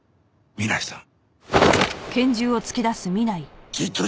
南井さん！